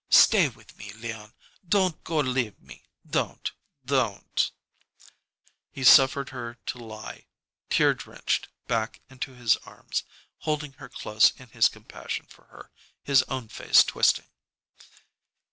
Stay with me, Leon! Don't go leave me don't don't " He suffered her to lie, tear drenched, back into his arms, holding her close in his compassion for her, his own face twisting.